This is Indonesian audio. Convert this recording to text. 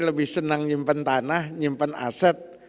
lebih senang menyimpan tanah menyimpan aset